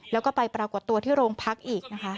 แล้วก็ไปปรากฏตัวที่โรงพักอีกนะคะ